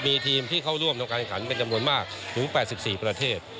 มีทีมที่เข้าร่วมในการขันเป็นจำนวนมากถึง๘๔ประเทศ